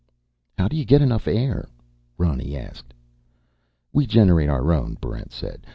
"How do you get enough air?" Ronny asked. "We generate our own," Barrent said.